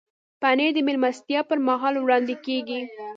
پنېر د میلمستیا پر مهال وړاندې کېږي.